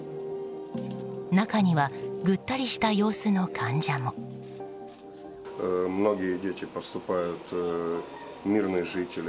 中にはぐったりした様子の患者も。